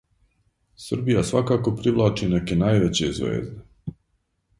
Србија свакако привлачи неке највеће звезде.